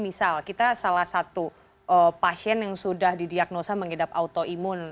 misal kita salah satu pasien yang sudah didiagnosa mengidap autoimun